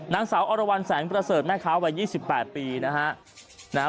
นางสาวอรวรรณแสงประเสริฐแม่ค้าวัย๒๘ปีนะฮะ